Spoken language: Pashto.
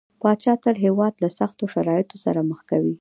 پاچا تل هيواد له سختو شرايطو سره مخ کوي .